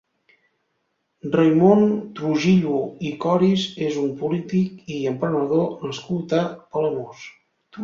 Raimon Trujillo i Coris és un polític i emprenedor nascut a Palamós.